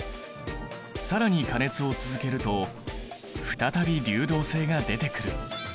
更に加熱を続けると再び流動性が出てくる。